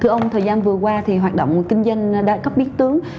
thưa ông thời gian vừa qua thì hoạt động kinh doanh đa cấp biến tướng